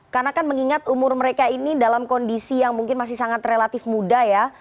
karena kan mengingat umur mereka ini dalam kondisi yang mungkin masih sangat relatif muda ya